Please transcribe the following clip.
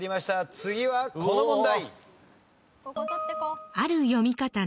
次はこの問題。